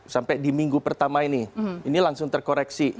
sampai di minggu pertama ini ini langsung terkoreksi